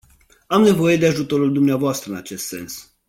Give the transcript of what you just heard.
Am nevoie de ajutorul dvs în acest sens.